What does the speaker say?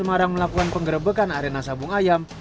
di semarang melakukan pengerebekan arena sabung ayam